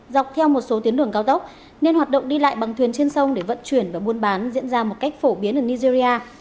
dọc theo một số tuyến đường cao tốc nên hoạt động đi lại bằng thuyền trên sông để vận chuyển và buôn bán diễn ra một cách phổ biến ở nigeria